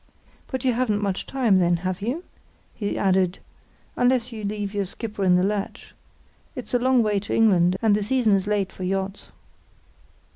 "But you haven't much time then, have you?" he added, "unless you leave your skipper in the lurch. It's a long way to England, and the season is late for yachts."